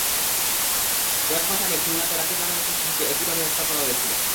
কয়েক মাস আগে খুলনাতে রাকিব নামের একটি শিশুকে একইভাবে হত্যা করা হয়েছিল।